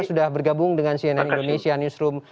sudah bergabung dengan cnn indonesia newsroom